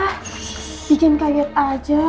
ada apa bikin kaget aja